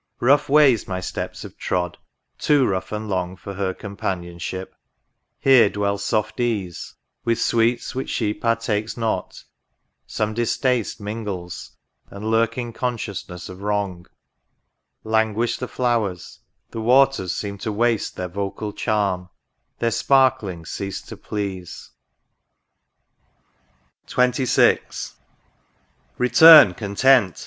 Rough ways my steps have trod ; too rough and long For her companionship ; here dwells soft ease : With sweets which she partakes not some distaste Mingles, and lurking consciousness of wrong ; Languish the flowers ; the waters seem to waste Their vocal charm ; their sparklings cease to please. m THE RIVER DUDDON. XXVI. Return, Content